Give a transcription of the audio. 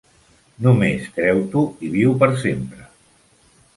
Només creu-t'ho, i viu per sempre.